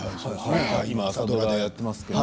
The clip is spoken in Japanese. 今朝ドラでやってますよね。